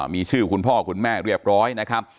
มีชื่อคุณพ่อคุณแม่เรียบร้อยนะครับ